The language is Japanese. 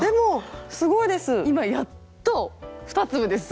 今やっと２粒です。